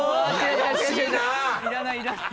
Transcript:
いらないいらない！